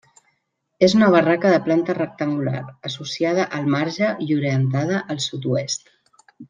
És una barraca de planta rectangular, associada al marge i orientada al sud-oest.